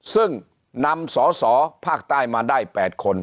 ซึ่งนำสอสอภาคใต้มาได้๘คน